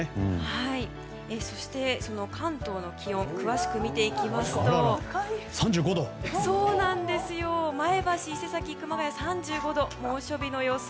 そして、関東の気温を詳しく見ていきますと前橋、伊勢崎、熊谷は３５度で猛暑日の予想。